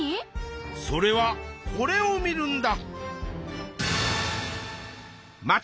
それはこれを見るんだ！